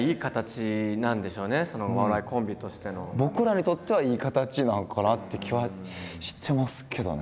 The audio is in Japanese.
僕らにとってはいい形なんかなって気はしてますけどね。